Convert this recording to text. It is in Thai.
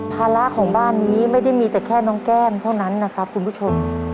ภาระของบ้านนี้ไม่ได้มีแต่แค่น้องแก้มเท่านั้นนะครับคุณผู้ชม